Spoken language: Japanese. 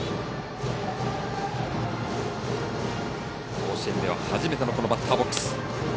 甲子園では初めてのバッターボックス。